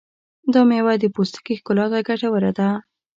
دا مېوه د پوستکي ښکلا ته ګټوره ده.